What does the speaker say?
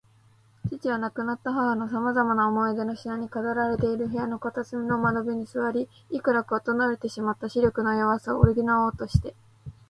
父は、亡くなった母のさまざまな思い出の品に飾られている部屋の片隅の窓辺に坐り、いくらか衰えてしまった視力の弱さを補おうとして